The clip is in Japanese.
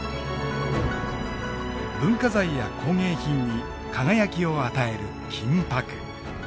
文化財や工芸品に輝きを与える金箔。